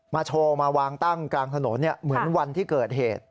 โชว์มาวางตั้งกลางถนนเหมือนวันที่เกิดเหตุ